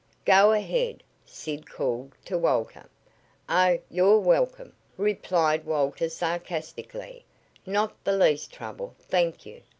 "Go ahead!" Sid called to Walter. "Oh, you're welcome," replied Walter sarcastically. "Not the least trouble, thank you.